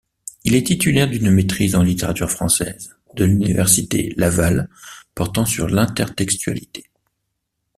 Il est titulaire d'une maîtrise en littérature française de l'Université Laval portant sur l'intertextualité.